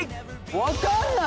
わかんない！